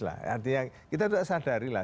lah kita tidak sadari lah